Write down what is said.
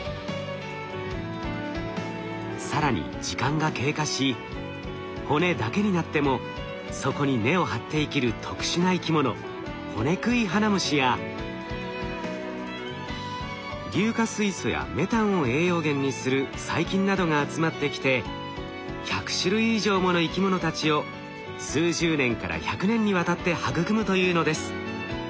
更に時間が経過し骨だけになってもそこに根を張って生きる特殊な生き物ホネクイハナムシや硫化水素やメタンを栄養源にする細菌などが集まってきて１００種類以上もの生き物たちを数十年から１００年にわたって育むというのです。